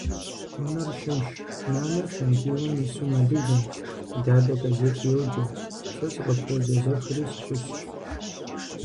Унэр щымщ. Нанэ шэнтиуэм ису мэдыжэ, дадэ газет йоджэ, сэ сыкъопэзэзэхыри сыщысщ.